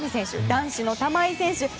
男子の玉井選手